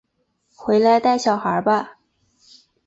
回来带小孩吧